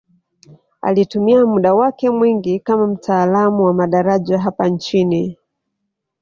Alitumia muda wake mwingi kama mtaalamu wa madaraja hapa nchini